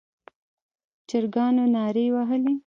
چرګانو نارې وهلې.